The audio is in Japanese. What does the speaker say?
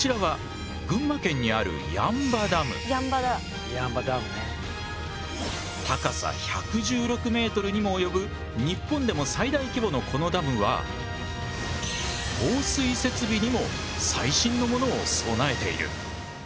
こちらは高さ１１６ｍにも及ぶ日本でも最大規模のこのダムは放水設備にも最新のものを備えている。